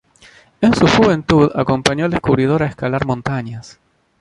En su juventud, acompañó al descubridor a escalar montañas.